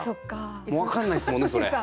もうわかんないっすもんねそれ。